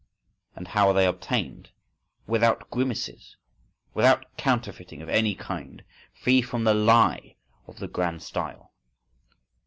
And how are they obtained? Without grimaces! Without counterfeiting of any kind! Free from the lie of the grand style!